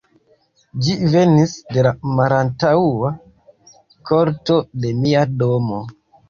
Ĝi venis de la malantaŭa korto, de mia domo.